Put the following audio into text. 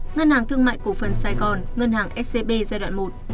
ngân hàng thương mại cổ phần sài gòn ngân hàng scb giai đoạn một